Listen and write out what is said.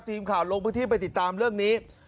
ทีมข่าวลงพื้นที่ไปติดตามเรื่องนี้